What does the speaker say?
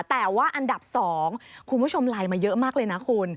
แต่ว่าอันดับ๒คุณผู้ชมไลน์มาเยอะมากเลยนะคุณ